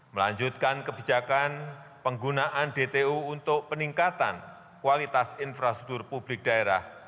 melanjutkan kebijakan penggunaan dtu untuk peningkatan kualitas infrastruktur publik daerah